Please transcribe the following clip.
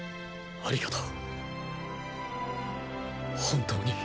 ありがとう。